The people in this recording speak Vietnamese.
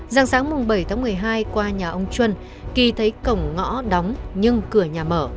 giảng sáng bảy tháng một mươi hai qua nhà ông trân kỳ thấy cổng ngõ đóng nhưng cửa nhà mở